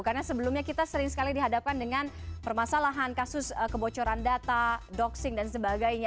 karena sebelumnya kita sering sekali dihadapkan dengan permasalahan kasus kebocoran data doxing dan sebagainya